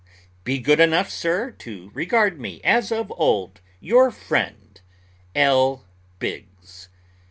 Be good enough, sir, to regard me, as of old, your friend. L. BIGGS.